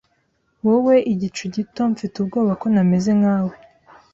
Wowe Igicu gitoMfite ubwoba ko ntameze nkawe